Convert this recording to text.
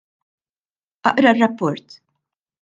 Aqra r-rapport!